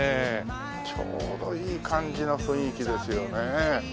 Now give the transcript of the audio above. ちょうどいい感じの雰囲気ですよね。